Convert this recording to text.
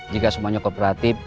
jika semuanya kooperatif